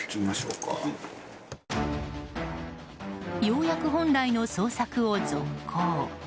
ようやく本来の捜索を続行。